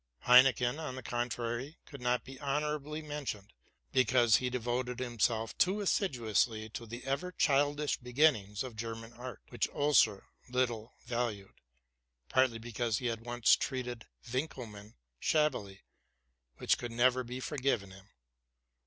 Heinecken, on the con trary, could not be honorably mentioned, partly because he 'levoted himself too assiduously to the ever childish begin nings of German art; which Oeser little valued, partly be cause he had once treated Winckelmann shabbily, which could never be forgiven him.